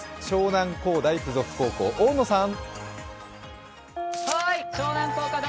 湘南工大附属高校、大野さん！